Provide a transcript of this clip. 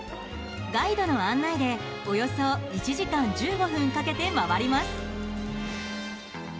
ガイドの案内でおよそ１時間１５分かけて回ります。